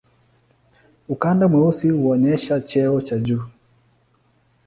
Ukanda mweusi huonyesha cheo cha juu.